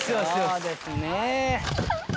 そうですね。